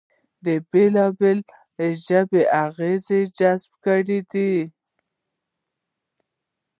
د بېلابېلو ژبو اغېزې جذب کړې دي